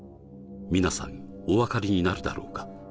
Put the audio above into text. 皆さんお分かりになるだろうか？